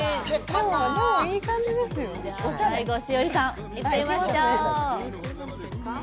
最後、栞里さんいっちゃいましょう。